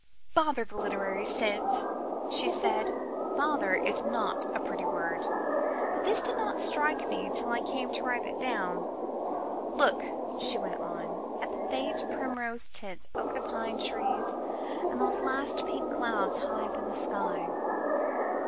"Bother the literary sense," she said. "Bother" is not a pretty word, but this did not strike me till I came to write it down. "Look," she went on, "at the faint primrose tint over the pine trees and those last pink clouds high up in the sky."